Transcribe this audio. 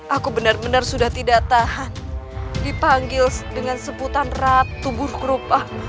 aku benar benar sudah tidak tahan dipanggil dengan sebutan ratu buku group